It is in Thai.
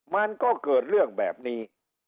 มันก็เกิดเรื่องแบบนี้